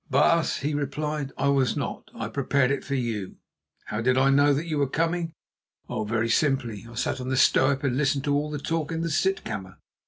"Baas," he replied, "I was not; I prepared it for you. How did I know that you were coming? Oh, very simply. I sat on the stoep and listened to all the talk in the sitkammer.